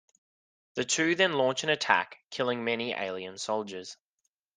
The two then launch an attack, killing many alien soldiers.